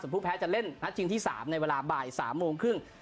ผู้แพ้จะเล่นนัดจริงที่๓ในเวลาบ่าย๓โมงครึ่ง